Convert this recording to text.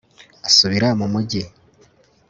asubira mu mugi